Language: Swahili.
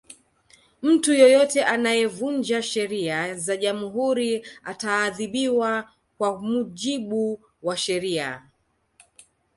mtu yeyote anayevunja sheria za jamhuri ataadhibiwa kwa mujibu wa sheria